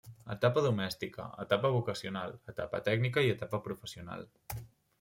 Etapa domèstica, Etapa vocacional, Etapa tècnica i Etapa professional.